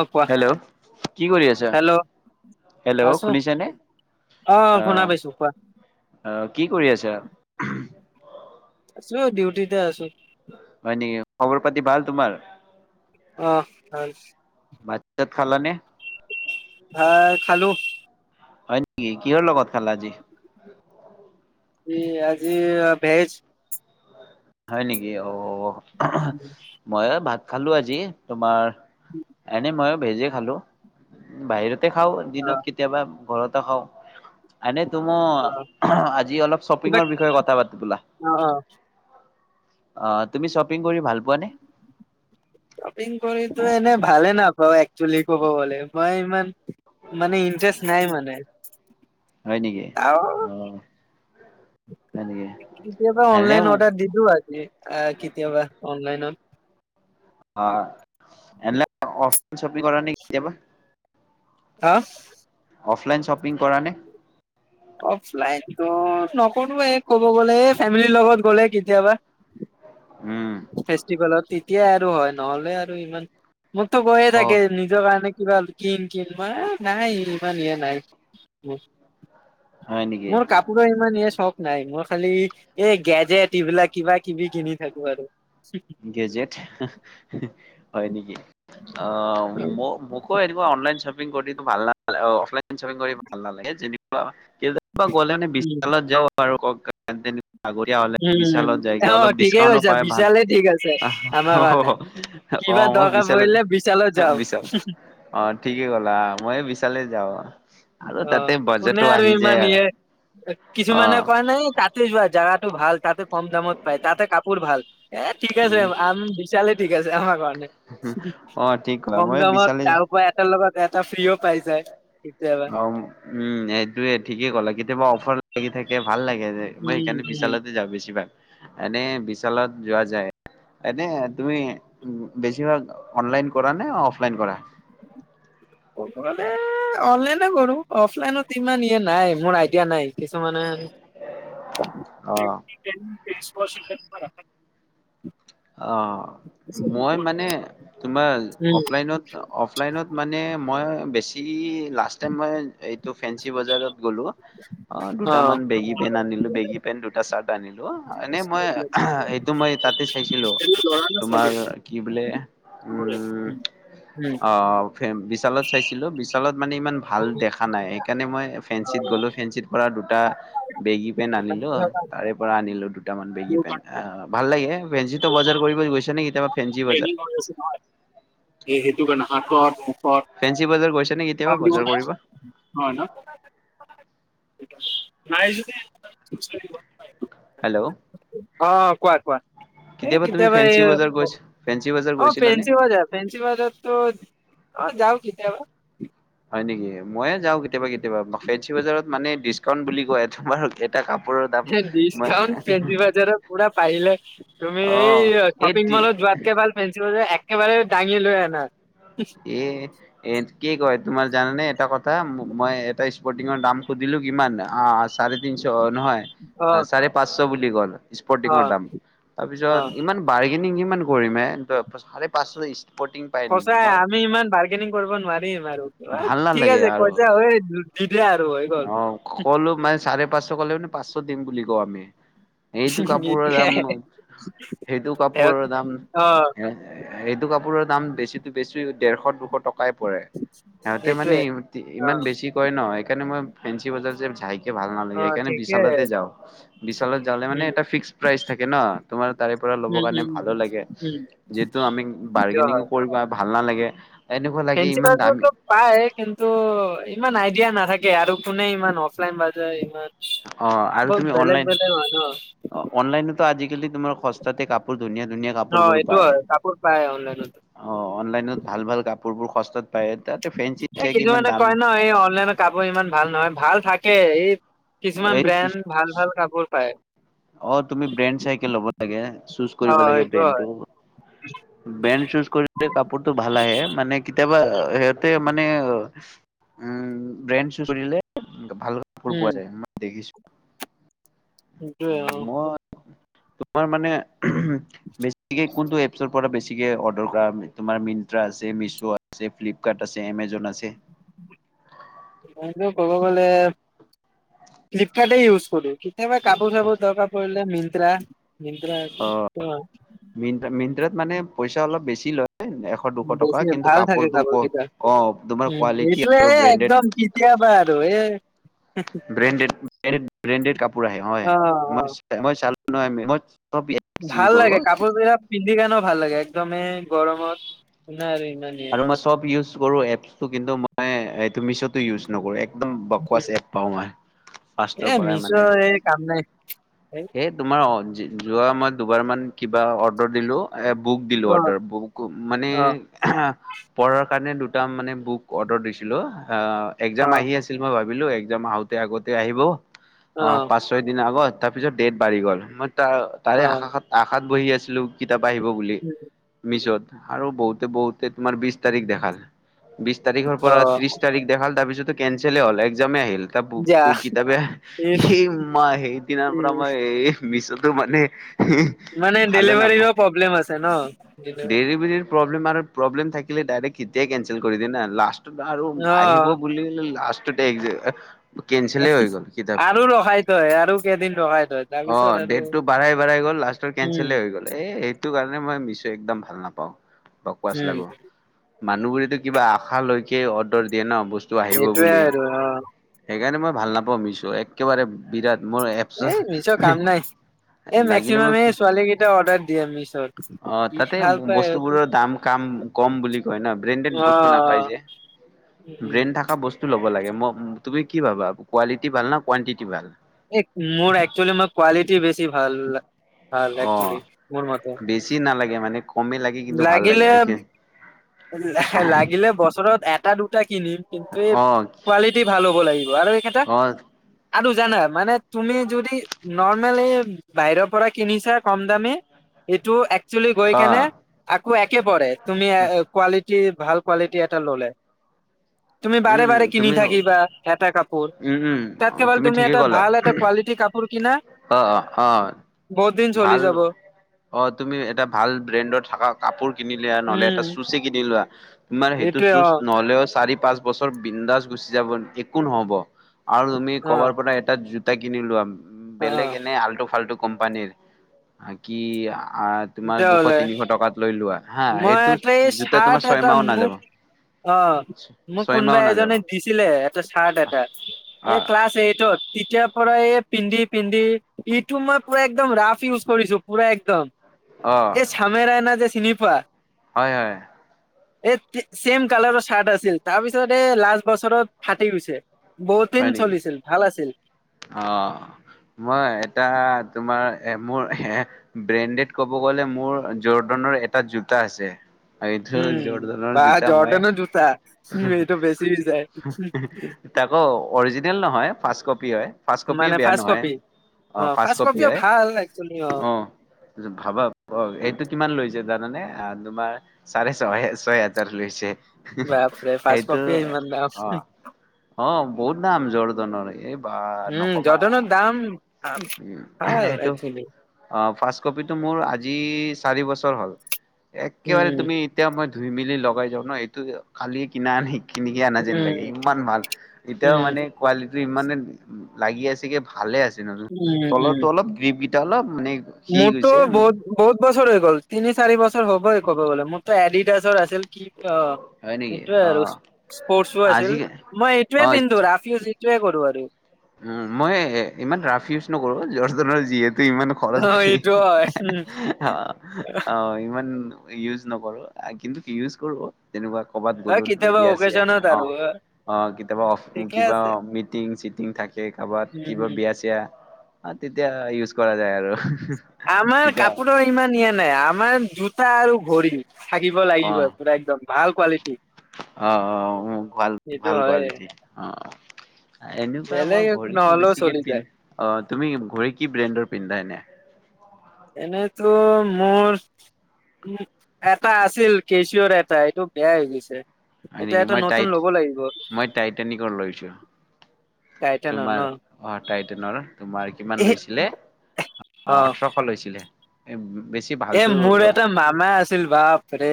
অ কোৱা হেল্ল' কি কৰি আছা হেল্ল' হেল্ল' আছো শুনিছানে অ শুনা পাইছো আহ কোৱা আহ কি কৰি আছা আছো ডিউটিতে আছো হয় নেকি? খবৰ পাতি ভাল তোমাৰ? অ ভাল ভাত চাত খালা নে ভাত খালোঁ হয় নেকি কিহৰ লগত খালা আজি কি আজি ভেজ হয় নেকি অহঁ অ মই ভাত খালো আজি তোমাৰ এনে মইও ভেজে খালো বাহিৰ তে খাও অ দিনত কেতিয়াবা ঘৰত [unintelligible] ত মই অ আজি অলপ কিবা শ্বপিঙৰ বিষয়ে কথা পাতো বলা অ অ অ তুমি শপিং কৰি ভাল পোৱা নে শপিং কৰিতো এনে ভালে নাপাওঁ একচলি কব গলে মই ইমান মানে ইন্টাৰেষ্ট নাই মানে হয় নেকি? আও অ', হয় নেকি? কেতিয়াবা এনে অনলাইন অৰ্ডাৰ দিলো আজি আহ কেতিয়াবা অনলাইনত হ এলে অফ চপিং কৰা নে কেতিয়াবা হা অফলাইন শ্বপিং কৰা নে অফলাইন নকৰো এই ক'ব গ'লে এই ফেমিলিৰ লগত গ'লে কেতিয়াবা উম। ফেষ্টিভেলত এতিয়া হয় নহ'লে আৰু ইমান মোকতো কৈয়ে অ'। থাকে নিজৰ কাৰণে কিবা কিনি কিন মই নাই ইমান এয়া নাই হয় নেকি? মোৰ কাপোৰৰ ইমান এয়া চখ নাই মই খালি এই গেজেট এইবিলাক কিবা কিবি কিনি থাকো আৰু কেজিয়েত হয় নেকি অ ম মোকো এনেকোৱা অনলাইন শ্বপিং শ্বপিং কৰি ভাল নালাগে অফলাইন শ্বপিং কৰি ভাল নালাগে যেনিবা কেতিয়াবা গলে মানে উম বিশালত যাও বাৰু কওক [unintelligible] আগতীয়া হ'লে বিশালত যায়গে অ' অলপ ঠিকে ডিচকাউণ্টটো কৈছা পায় ভাল বিশালে ঠিক আছে আমাৰ অহ কাৰণে। কিবা মই দৰকাৰ বিশালে পৰিলে বিশালত যাওঁ বিশালে অ ঠিকে কলা মই বিশালে যাওঁ আৰু অ তাতে কোনে বাজেটো আৰু আহি যায় ইমান আৰু ইয়েৰ কিছুমানে অ'। কয় নাই তাতে যোৱা জাগাত টো ভাল তাতে কম দামত পায় তাতে কাপোৰ ভাল এ ঠিক আছে উম আম বিশালে ঠিক আছে আমাৰ কাৰণে অ ঠিক ক'লা কম মই দামত বিচালি তাৰ পৰা এটা লগত এটা ফ্ৰীও পাই যায় কেতিয়াবা অ উম এইটোয়ে ঠিকেই ক'লা কেতিয়াবা অফাৰ লাগি থে ভাল লাগে, যে মই সেই উম, কাৰণে উম। বিছালতে যাওঁ বছিভাগ। এনে বিশালত যোৱা যায়, এনে তুমি বেছিভাগ অনলাইন কৰা নে? অফলাইন কৰা? অনলাইনে কৰো, অফলাইনত ইমান ইয় নাই মোৰ আইডিয়া নাই। কিছুমানে অ [unintelligible] [unintelligible] অ মই মানে তোমাৰ উম, অফলাইনত অফলাইনত মানে মই বেছি লাষ্ট টাইম মই এইটো ফেঞ্চি বজাৰত গ'লো অ দুটামান বেগী পেন আনিলো বেগী পেন দুটা চাৰ্ট নিলো এনে মই এইটো মই তাতে এইটো ল'ৰা নে তোমাৰ ছোৱালী কি বোলে চবৰে? উম অ বিশালত চাইছিলো, বিশালত মানে ইমান ভাল দেখা নাই, সেইকাৰণে মই ফেঞ্চিত গ'লো ফেঞ্চিত পৰা দুটা বেগী পেন আনিলো, তাৰে পৰা আনিলো। দুটামান বেগি পেন। ভাল লাগে। ফেঞ্চি বজাৰ কৰিব গৈ কেতিয়াবা ফেঞ্চি বজাৰ? নহ এই সেইটো কাৰণে [inaudible] ফেঞ্চি বজাৰ গৈছে নেকি কাম কেতিয়াবা দিব বজাৰ নে কৰিব? নহয় ন? নাই যোৱা। হেল্ল' অ কোৱা কোৱা, এই তুমি কেতিয়াবা এই ফেঞ্চি বজাৰ গৈছ ফেঞ্চি বজাৰ অ গৈছিলানে ফেঞ্চি বজাৰ ফেঞ্চি বজাৰতো অ যাও। কেতিয়াবা। হয় নেকি? ময়ো যাওঁ কেতিয়াবা কেতিয়াবা, ফেঞ্চি বজাৰত মানে ডিচকাউণ্ট বুলি কয়, তোমাৰ এটা কাপোৰৰ দাম মই ডিচকাউণ্ট ফেন্ছি বাজাৰৰ পৰা পাৰিলে তুমি অ' এই এই শ্বপিং মলত তি- যোৱাতকে ভাল ফেন্ছি বজাৰ একেবাৰে দাঙি লৈ আনা। এ এ কি কয়, তোমাৰ জানানে এটা কথ আ মই এটা স্পৰ্টিঙৰ দাম সুধিলো কিমান? অ' চাৰে তিনছ নহয় চাৰে অ পাঁচছ বুলি কল। স্পৰ্টিঙৰ অ', দাম অ', তাৰপিছত ইমান বাৰ্গেনিং [unintelligible] মান কৰিম এ [unintelligible] চাৰে পাঁচছ ইছ স্পৰ্টিং পাই নেকি, সঁচাই মই আমি ইমান বাৰ্গেনিং কৰিব নোৱাৰিম আৰু কিবা ঠিক আছে কৈছা হয় দি দিয়া আৰু হৈ গ'ল। অঁ কলো মানে চাৰে পাঁচছ ক'লে মানে পাঁচছ দিম বুলি কওঁ আমি। এইটো কাপোৰৰ এইটোৱে। দাম, সেইটো কাপোৰৰ দাম অ', এ - এইটো কাপোৰৰ দাম বেছিতো বেছি ডেৰশ দুশত টকাই পৰে। সিহঁতে মানে সেইটোৱে ইহঁতি ইমান অ', বেছি কয় ন' [unintelligible] সেইকাৰণে মই ফেঞ্চি বজাৰ যে যায়কে ভাল নালাগে অ', সেইকাৰণে ঠিকে বিচালতে যাওঁ, বিচালত যালে মানে উম, এটা ফিক্স প্ৰাইচ থাকে ন। তোমাৰ তাৰে পৰা ল'ব উম, কাৰণে উম, ভালো লাগে উম, যিহেতু আমিং সেইটো বাৰ্গেনিংও হয়। কৰিব ভাল নাল লাগে। ফেঞ্চি বাজাৰতো পায় কিন্তু ইমান আইডিয়া নাথা কে আৰু কোনে ইমান অফলাইন বাজাৰ ইমান অ আৰু বহুত তুমি বেলেগ অনলাইন বেলেগ হয় ন। - অনলাইনত ত আজিকালি তোমাৰ সস্তাটে কাপোৰ ধুনীয়া ধুনীয়া অ কাপোৰ বোৰ এইটো পায়। হয় কাপোৰ পায় অনলাইনতো অ' অনলাইনত ভাল ভাল কাপো পোৰ বোৰ সস্তাত পায় তাতে ফেঞ্চি এ চাইকে ইমান কিছুমানে দাম কয় ন এই অনলাইনৰ কাপোৰ ইমান ভাল নহয় ভাল থা কে এই এই কিছুমান ব্ৰেণ্ড ভাল ভাল কাপোৰ পায়। অ তুমি ব্ৰেণ্ড চাই কে ল'ব লাগে। চুছ অ কৰিব লাগে সেইটো হয় ব্ৰেণ্ডটো । বেণ্ড চুজ কৰিলে কাপোৰতটো ভাল আহে মানে কেতিয়াবা ইয়াতে মানে উম ব্ৰেণ্ড চুছ কৰিলে ভাল কাপোৰ উম পোৱা যাই মই দেখিছো। সেইটোৱে অঁ। মই তোমাৰ মানে বেছিকে কোনটো এপছৰ পৰা‌ বেছিকে অৰ্ডাৰ কৰা তোমাৰ মিন্ত্ৰা আছে, মিছ' আছে, ফ্লিপকাৰ্ট আছে, এমেজন আছে। এনেটো ক'ব গ'লে ফ্লিপকাৰ্টে ইউজ কৰো। সেবা কাপো চাপো দৰকা পৰিলে মিন্ত্ৰা মিনত্ৰা মিন্ত্ৰা মিন্ত্ৰাত মানে পইচা অলপ বেছি লয়। এশ দুশ টকা বেছি কিন্তু ভাল থাকে কাপোৰটো ক কাপোৰকিটা অ তোমাৰ কোৱালিটি এইটোয়ে আৰু ব্ৰেণ্ডেড একদম কেতিয়াবা আৰু এ ব্ৰেনডেত ব্ৰেনডেত কাপোৰ আহে হয়। অ অ মই মই ছা [inaudible] মই। চব এপছ ইউজ ভাল কৰো লাগে কাপোৰ বিলাক পিন্ধি কে নো ভাল লাগে একদমেই গৰমত। নাই আৰু আৰু ইমানেই মই চব ইউজ কৰোঁ‌ এপছটো। কিন্তু মই এইটো মিছটো ইউজ নকৰো একদম বকচ এপ পাওঁ মই ফাৰৰ এ পৰা মানে মিছৰ এই কাম নাই হেই তোমাৰ যোৱা মই দুবাৰ মান কিবা অৰ্ডাৰ দিলো। বুক দিলোঁ অ অৰ্ডাৰ বুক মানে। অ পঢ়াৰ কাৰণে দুটা মানে বুক অৰ্ডাৰ দিছিলো। অ' অ এক্জাম আহি আছিল মই ভা। বিলো একজাম আতে আগতে আহিব। অ' পাঁচ ছয় দিনৰ আগত। তাৰ পিছত ডেট বাঢ়ি গ'ল মই। ত তাৰে অ আশ আশাত। বহি আছিলো কি। কিতাপ আহিব বুলি মিছত আৰু বহুত। তে বহুত। তে তোমাৰ বিশছ তাৰিখ দেখাল। বিশছ তাৰিখৰ অ পৰা ত্ৰিছ তাৰিখ দেখাল তাৰ পিছত। কেঞ্চেল হ'ল এক্জামে আহিল। এটা বু যা ক কিতাপে ইচ সেই মই সেইদিনাৰ পৰা ইচ মই এই। মিছতো মানে। মানে ভালো নাপাওঁ ডেলিভাৰীৰো প্ৰব্লেম আছে ন ডেলেভা। ডেলিভাৰীৰ প্ৰব্লেম আৰু। প্ৰব্লেম থাকিলে ডাইৰেক্ এতিয়াই কেনঞ্চেল কৰি দওঁ না লাষ্ট। বাৰু অ আহিব বুলি ও লাষ্ট। টোটেক যে [unintelligible] কেনচলে হৈ গল, কিতাপটো আৰু ৰখাই থয় আৰু কেইদিন ৰখাই থয় তাৰপিছত অ' আৰু ডটটো বাঢ়াই বাঢ়াই গল লাষ্টৰ উম কেনচলে হৈ গল। এ', সেইটো কাৰণে মই মিছো একদম ভাল নাপাওঁ। পোৱাচ উম লাগো । মানুহবোৰেতো কিবা আশা লৈকে অৰ্ডাৰ দিয়ে ন' বস্তু টো আহিব সেইটোয়ে বুলি। আৰু অ সেইকাৰণে মই ভাল নাপাওঁ মিছো। একেবাৰে বিৰাট মোৰ এপচ এই মিছোৰ কাম নাই। এই লাগিলে মই মেক্সিমামে ছোৱালীকেইটা অৰ্ডাৰ দিয়ে মিছ অ' তাতে বস্তুবোৰৰ দাম কাম- কম বুলি কয় ন'। ব্ৰেণ্ডেড অ বস্তু নাপায় যে। উম ব্ৰেণ্ড থকা বস্তু লব লাগে। ম- তুমি কি ভাবা, কোৱালিটি ভাল না কোৱাণ্টিটি ভাল? এই মোৰ একচুৱেলি মই কোৱালিটি বেছি ভাল ভাল একচুৱেলি অ' মোৰ মতে বেছি নালাগে মানে কমেই লাগে কিন্তু ভাল লাগে হয়কে লাগিলে- লাগিলে বছৰত এ এটা-দুটা কিনিম। কিন্তু এই অ কোৱালিটি ভাল হ'ব লাগিব । আৰু এইকেটা অ আৰু জানা, মানে তুমি যদি নৰ্মেলি বাহিৰৰ পৰা কিনিছা কমদামী, এইটো এক কচুলি গৈ অ কেনে আকৌ একে পৰে। তুমি অ- কোৱালিটি কি ভাল কোৱালিটি এটা ল'লে। তুমি উম বাৰে - উম বাৰে কিনি তুমি থাকিবা, উম এটা কাপোৰ । উম তাতকে ভাল তুমি ঠিকেই এটা ক'লা। ভাল এটা কোৱালিটি কাপোৰ কিনা। অ অ অ বহুতদিন চলি ভাল যাব। ণ্ডত থকা কাপোৰ কিনিলে, নহ'লে উম এটা চুচে কিনি লোৱা তোমাৰ সেইটো এইটোৱে চুচ অ নহ'লেও চাৰি পাঁচ বছৰ বিন্দাছ গুচি যাব, একো নহব। আৰু তুমি অ কবাৰ পৰা এটা জো তা কিনিলোঁ উম। অ বেলেগ এনে আল্টু- ফাল্টু কোম্পানীৰ, অ' কি? অ' তোমাৰ তেতিয়াহ'লে দুশ-তিনিশ টকাত লৈ লোৱা, হা। মই এইটো এটা এই জোতা তোমাৰ চাৰ্ট এটা ছয়মাহো নাযাব। কোনবা ছয়মাহো নাযাব এজনে দিছিলে এটা ছাৰ্ট এটা। অ এই ক্লাছ এইটত। তেতিয়াৰ পৰায়ে পিন্ধি - পিন্ধি, ইটো মই পুৰা একদম ৰাফ ইউজ কৰিছোঁ, পুৰা একদম। অ চামেয় ৰাইনা যে চিনি পোৱা? হয় হয়। এ ছেম কালাৰৰ চাৰ্ট আছিল। তাৰ পিছতে, লাষ্ট বছৰত ফাটি গৈছে। বহুত দিন হয় নেকি, চলিছিল ভাল আছিল অ মই এটা তোমাৰ এ মোৰ ব্ৰেণ্ডেড ক'ব গলে, মোৰ জৰ্ডনৰ এটা জোতা আছে। এইটো উম জৰ্ডনৰ বা জোতা মই জৰ্ডানৰ জুতা উম এইটো বেছি হৈ যায়। অৰ্জিনেল নহয়, ফাষ্টকপী হয়। ফাষ্টকপীও মানে বেয়া ফাৰ্ষ্ট নহয়, কপি অ ফাৰ্ষ্ট ফাষ্টকপী কপিও হয় ভাল একচুৱেলি অ ভাবাব ব এইটো কিমান লৈছে? জানানে? তোমাৰ চাৰে ছহে ছয় হাজাৰ লৈছে। বাপৰে ফাৰ্ষ্ট সেইটো কপিয়ে ইমান দাম। অ', অ বহুত দাম জৰদনৰ এই বা উম, নকবা। জৰ্ডনৰ দাম আ উম ভাল এইটো একচুৱেলি অ। ফাৰ্ষ্ট কপিটো মোৰ আজি চাৰি বছৰ হ'ল। একেবাৰে উম, তুমি এতিয়া মই। ধুই মেলি লগাই যাওঁ ন, এইটো কালিয়ে কিনা আনি কিনি আনা যেন লাগে। উম, ইমান ভাল এতিয়াও উম, মানে কোৱালিটি ইমানে লাগি আছে কি ভালে আছে ন। উম, উম। তলৰটো অলপ গ্ৰিবিত অলপ মানে সি মোৰতো গৈছে মানে বহুত বহুত বছৰ হৈ গ'ল, তিনি, চাৰি বছৰ হবই ক'ব গলে, মোৰ ত এডিডাছৰ আছিল। অ হয় নেকি সেটোৱে আৰু, অ', স্পৰ্টচো আছিল। আজি মই এইটোৱে অ', পিন্ধো ৰাফ ইউচি টোৱে কৰো আৰু উম, মই ইমান ৰাফ ইউচ নকৰো, [unintelligible] যিহেতু ইমান খৰচ অ' কৰি, এইটো হয় উম, অহ অহ ইমান ইউজ নকৰো কিন্তু ইউজ কৰো। তেনেকুৱা কৰবাত হয় গ'লো কেতিয়াবা বিয়া চিয়া, অকেজনত অ আৰু অ কেতিয়াবা অফ ঠিকে কিবা আছে। মিটিং চি- টিং থাকে উম, কাৰোবাত কিবা উম। বিয়া চিয়া অ তেতিয়া ইউজ কৰা যায় আৰু। আমাৰ তেতিয়া কাপোৰৰ ইমান নিয়া নাই। আমাৰ জোতা আৰু ভৰি থাকিব লাগিব অ', পুৰা একদম ভাল কোৱালিটি অ', অ', ভাল সেইটো ভাল হয় কোৱালিটি অ', এনেকুৱা মই ঘড়ীটো বেছিকে চলি যায় পিন্ধ অ তুমি ঘড়ী কি ব্ৰেণ্ডৰ পিন্ধা এনে এনেতো মোৰ উ এটা আছিল কেচৰ এটা এইটো বেয়া হৈ গৈছে। হয় এতিয়া নেকি এটা মই নতুন টাইত ল'ব লাগিব মই টাইটনিকৰ লৈছো টাইটেনৰ তোমাৰ ন অ টাইটাননৰ তোমাৰ কিমান এ লৈছিলে অ ওঠৰশ লৈছিলে [unintelligible] এ ভালতো মোৰ লোৱা এটা মামা আছিল বাপ ৰে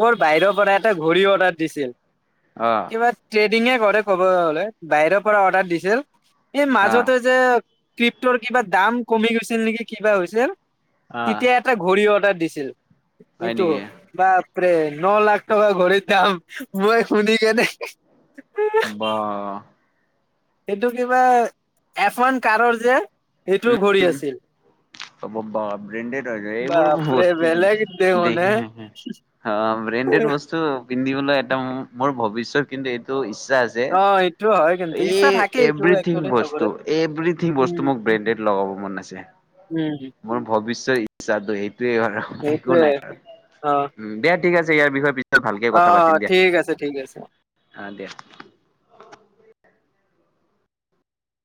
ক'ৰ বাহিৰৰ পৰা এটা ঘড়ী অৰ্ডাৰ দিছিল অ কিবা ষ্টেট টিঙে কৰে ক'ব গলে বাহিৰৰ পৰা অৰ্ডাৰ দিছিল এই অ মাজতে যে ক্ৰিপ্তৰ কিবা দাম কমি গৈছিল নেকি কিবা হৈছিল আহ তেতিয়া এটা ঘড়ী অদাৰ দিছিল এইটো বা বাপৰে ন লাখ টকা ঘৰি দাম মই শুনি কেনে বা এইটো কিবা এফন কাৰৰ যে সেইটো ঘূৰি আছিল । তব বান [unintelligible] ব্ৰেণ্ডেত হয় এইবোৰ বাপৰে বস্তু বেলেগ দেখোন হে [unintelligible] ব্ৰেণ্ডেড বস্তু পিন্ধিবলৈ এটা মোৰ ভৱিষ কিন্তু এইটো যায়ে অ' এইটো হয় কিন্তু এই ইচ্ছা থাকে এইটো এভৰিথিং একচুৱেলি বস্তু চবৰে এভৰিথিং বস্তু উম, মোক ব্ৰেণ্ডেড লগাব মন আছে উম, মোৰ ভৱিষ্যৰ ইচ্ছাটো সেই সেইটোৱে হয় আৰু একো সেইটোৱে নাই আৰু অ', উ দেত ঠিক আছে ইয়াৰ বিষয়ে পিছত ভালকে অ কথা পাতিম দিয়া। ঠিক আছে ঠিক আছে অ' দিয়া।